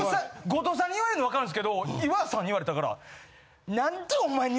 後藤さんに言われんのわかるんですけど岩尾さんに言われたから。